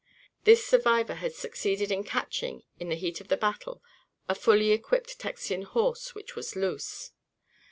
This survivor had succeeded in catching, in the heat of the battle, a fully equipped Texan horse which was loose.